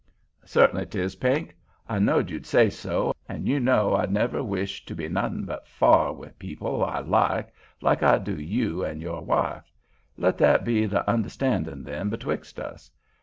"Cert'nly 'tis, Pink; I knowed you'd say so, an' you know I'd never wish to be nothin' but fa'r 'ith people I like, like I do you an' your wife. Let that be the understandin', then, betwix' us.